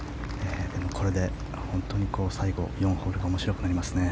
でも、これで本当に最後４ホールが面白くなりますね。